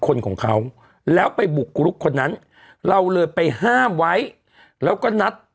คนของเขาแล้วไปบุกรุกคนนั้นเราเลยไปห้ามไว้แล้วก็นัด